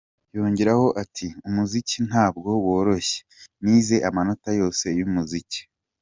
Yongeraho ati “Umuziki ntabwo woroshye, nize amanota yose y’umuziki.